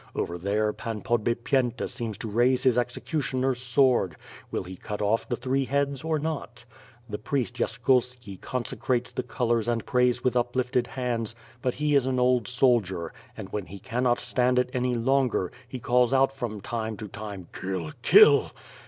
Over th^re, Pan Podbipyenta seems to raise his executioner's sword! Will he cut off the three heads, or not? The priest Yaskulski consecrates the colors and prays with uplifted hands, but he is an old soldier, and when he cannot stand it any longer, he calls out from time to time, "Kill! Kill!"